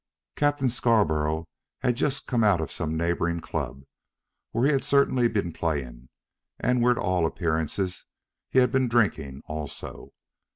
Captain Scarborough had just come out of some neighboring club, where he had certainly been playing, and where, to all appearances, he had been drinking also.